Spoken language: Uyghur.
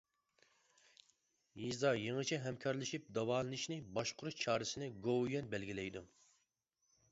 يېزا يېڭىچە ھەمكارلىشىپ داۋالىنىشنى باشقۇرۇش چارىسىنى گوۋۇيۈەن بەلگىلەيدۇ.